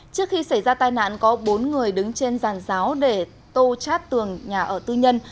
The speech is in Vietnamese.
trước khi xảy ra tai nạn có bốn người đứng trên giàn giáo để tô chát tường nhà ở tư nhân